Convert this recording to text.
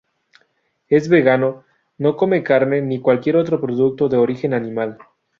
Es vegano, no come carne ni cualquier otro producto de origen animal.